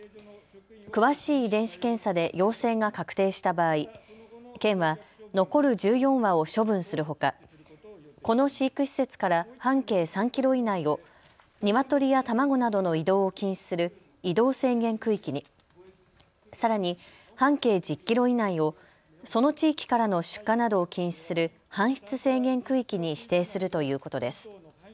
詳しい遺伝子検査で陽性が確定した場合、県は残る１４羽を処分するほか、この飼育施設から半径３キロ以内をニワトリや卵などの移動を禁止する移動制限区域に、さらに半径１０キロ以内をその地域からの出荷などを禁止する搬出制限区域に指定するということです。